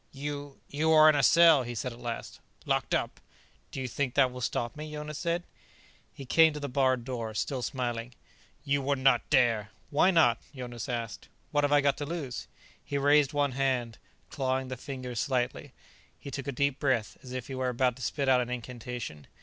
"You ... you are in a cell," he said at last. "Locked up." "Do you think that will stop me?" Jonas said. He came to the barred door, still smiling. "You would not dare " "Why not?" Jonas asked. "What have I got to lose?" He raised one hand, clawing the fingers slightly. He took a deep breath, as if he were about to spit out an incantation.